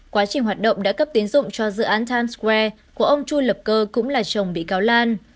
quá trình hoạt động đã cấp tiến dụng cho dự án tim square của ông chu lập cơ cũng là chồng bị cáo lan